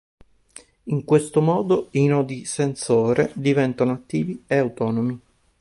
In questo modo i nodi sensore diventano attivi e autonomi.